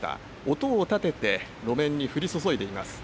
音を立てて路面に降り注いでいます。